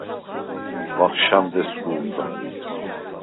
ვახშამდ ესგუ̄რდა.